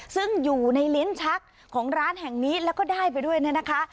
ซึ่งอยู่ในลิ้นชักของร้านแห่งนี้แล้วก็ได้ไปด้วยเนี่ยนะคะ